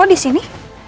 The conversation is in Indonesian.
oh di sini